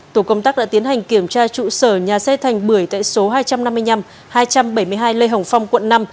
tổ công tác đã tiến hành kiểm tra trụ sở nhà xe thành bưởi tại số hai trăm năm mươi năm hai trăm bảy mươi hai lê hồng phong quận năm